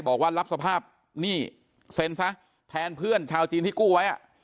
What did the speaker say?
บอกว่ารับสภาพนี่เซ็นซะแทนเพื่อนชาวจีนที่กู้ไว้